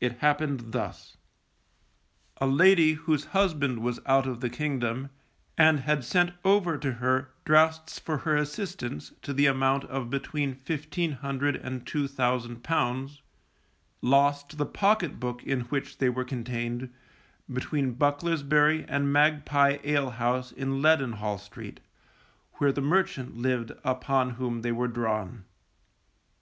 It happened thus. A lady whose husband was out of the kingdom, and had sent over to her draughts for her assistance to the amount of between fifteen hundred and two thousand pounds, lost the pocket book in which they were contained, between Bucklersbury and Magpie alehouse in Leadenhall Street, where the merchant lived upon whom they were drawn.